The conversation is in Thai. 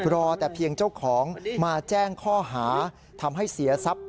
รอแต่เพียงเจ้าของมาแจ้งข้อหาทำให้เสียทรัพย์